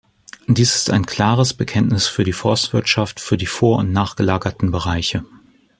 Dies ist ein klares Bekenntnis für die Forstwirtschaft, für die vor- und nachgelagerten Bereiche.